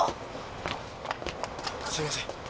すいません。